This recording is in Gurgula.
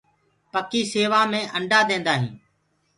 پکي سيوآ مي انڊآ ديندآ هينٚ۔